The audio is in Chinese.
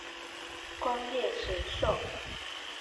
光叶石栎